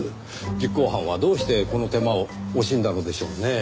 実行犯はどうしてこの手間を惜しんだのでしょうね。